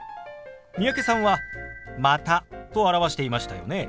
三宅さんは「また」と表していましたよね。